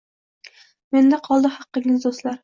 Menda qoldi haqqingiz, do’stlar